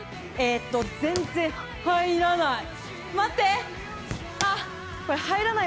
全然入らない。